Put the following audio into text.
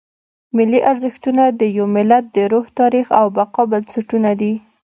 ملي ارزښتونه د یو ملت د روح، تاریخ او بقا بنسټونه دي.